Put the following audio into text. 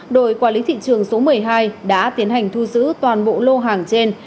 đội quản lý thị trường số một mươi hai đã tiến hành thu giữ toàn bộ lô hàng trên